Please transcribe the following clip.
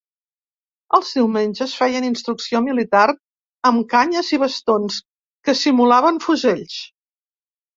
Els diumenges feien instrucció militar amb canyes i bastons que simulaven fusells.